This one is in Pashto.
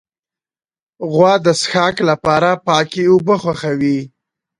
غوا د څښاک لپاره پاکې اوبه خوښوي.